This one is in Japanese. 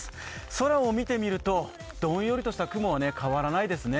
空を見てみるとどんよりとした雲は変わらないですね。